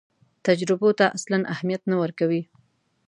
تجربو ته اصلاً اهمیت نه ورکوي.